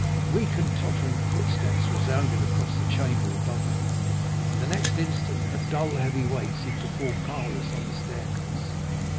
Weak and tottering footsteps resounded across the chamber above me, and the next instant a dull, heavy weight seemed to fall powerless on the staircase.